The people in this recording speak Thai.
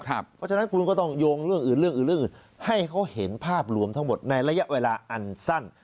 เพราะฉะนั้นคุณก็ต้องโยงเรื่องอื่นให้เขาเห็นภาพรวมทั้งหมดในระยะเวลาอันสั้น